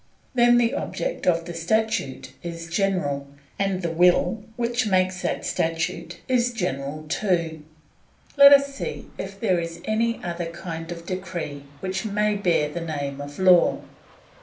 Then the object of the statute is general, and the will which makes that statute is general too. Let us see if there is any other kind of decree which may bear the name of law.